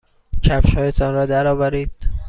کفشهایتان را درآورید.